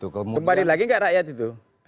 kembali lagi nggak rakyat itu